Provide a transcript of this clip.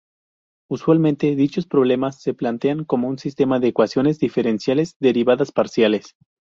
Usualmente dichos problemas se plantean como un sistema de ecuaciones diferenciales derivadas parciales.